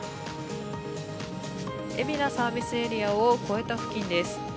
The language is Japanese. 海老名サービスエリアを越えた付近です。